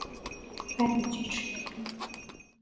待会去吃冰